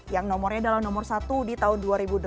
yang nomornya adalah nomor satu di tahun dua ribu delapan